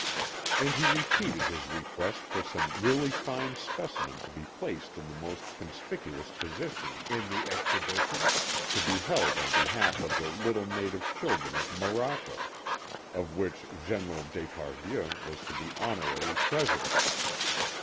And he repeated his request for some really fine specimen to be placed in the most conspicuous position in the exhibition to be held on behalf of the little native children of Morocco, of which General d'Esparvieu was to be honorary President.